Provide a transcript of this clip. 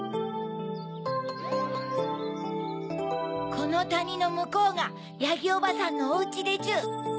このたにのむこうがヤギおばさんのおうちでちゅ！